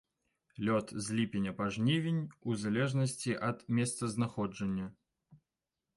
Лёт з ліпеня па жнівень у залежнасці ад месцазнаходжання.